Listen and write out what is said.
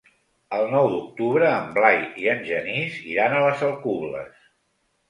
El nou d'octubre en Blai i en Genís iran a les Alcubles.